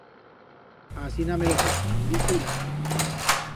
Asina me lo dio, liso y laso.